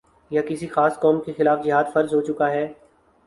یا کسی خاص قوم کے خلاف جہاد فرض ہو چکا ہے